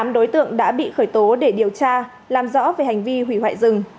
tám đối tượng đã bị khởi tố để điều tra làm rõ về hành vi hủy hoại rừng